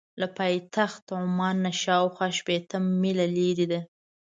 له پایتخت عمان نه شاخوا شپېته مایله لرې ده.